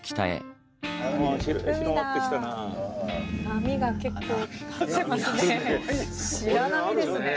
波が結構立ってますね。